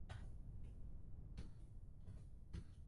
农民被允许在公开市场上拥有土地并出售农作物。